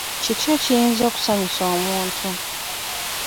Kiki ekiyinza okusanyusa omuntu?